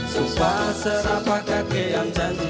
sumpah serapakah kejam jati